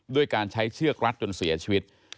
ด้วยการใช้เชือกรัดจนเสียชีวิต